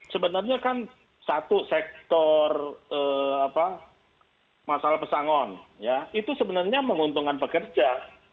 sebenarnya kan satu sektor masalah pesangon itu sebenarnya menguntungkan pekerja